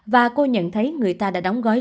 và cô nhận thấy người ta đã đóng gói